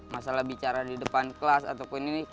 masalah bicara di depan kelas ataupun ini